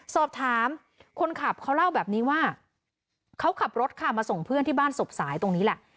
สอบถามคนขับเขาเล่าแบบนี้ว่าเขาขับรถค่ะมาส่งเพื่อนที่บ้านศพสายตรงนี้แหละ